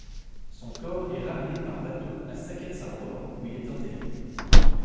Son corps est ramené par bateau à Sackets Harbor, où il est enterré.